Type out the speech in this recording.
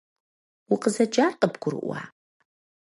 Укъызэджар къыбгурыӏуа?